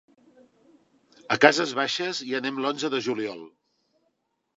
A Cases Baixes hi anem l'onze de juliol.